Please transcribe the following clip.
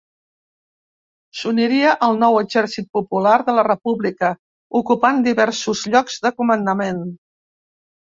S'uniria al nou Exèrcit Popular de la República, ocupant diversos llocs de comandament.